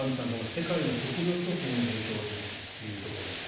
世界の食料供給にも影響が出てくると。